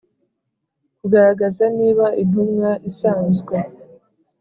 Kugaragaza niba intumwa isanzwe